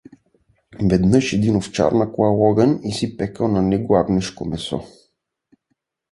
Веднъж един овчар наклал огън и си пекъл на него агнешко месо.